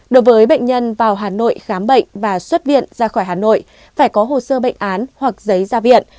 đối với bệnh nhân vào hà nội khám bệnh và xuất viện ra khỏi hà nội phải có hồ sơ bệnh án hoặc giấy ra viện